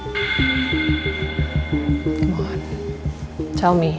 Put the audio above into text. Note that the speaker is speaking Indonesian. kasih tau mama